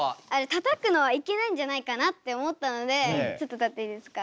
たたくのはいけないんじゃないかなって思ったのでちょっと立っていいですか。